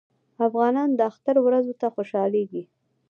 افغانان د اختر ورځو ته خوشحالیږي.